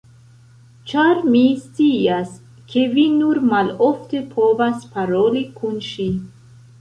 Ĉar mi scias, ke vi nur malofte povas paroli kun ŝi!